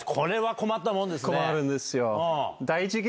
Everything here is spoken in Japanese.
困るんですよ。